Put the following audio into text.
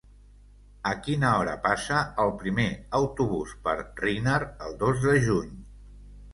A quina hora passa el primer autobús per Riner el dos de juny?